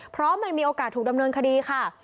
เพราะมันมีโอกาสถูกดำเนินคดีค่ะ